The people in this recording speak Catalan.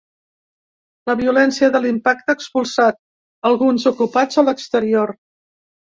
La violència de l’impacte ha expulsat alguns ocupats a l’exterior.